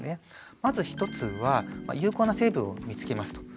まず１つは有効な成分を見つけますと。